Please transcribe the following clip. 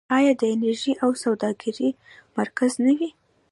آیا د انرژۍ او سوداګرۍ مرکز نه وي؟